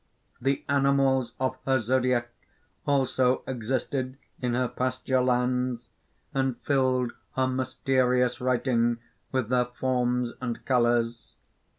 "The animals of her Zodiac also existed in her pasture lands; and filled her mysterious writing with their forms and colours.